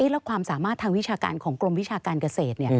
แล้วความสามารถทางวิชาการของกรมวิชาการเกษตร